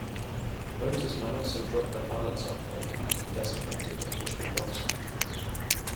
Voters may also drop their ballots off at a county designated official drop site.